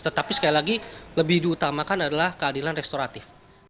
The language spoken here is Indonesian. tetapi sekali lagi lebih diutamakan adalah keadilan restoratif